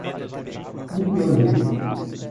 Mucambo